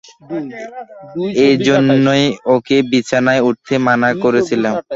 এজন্যই ওকে বিছানায় উঠাতে মানা করেছিলাম!